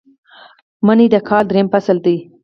منی د کال دریم فصل دی